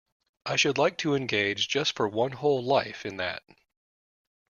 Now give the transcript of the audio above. I should like to engage just for one whole life in that.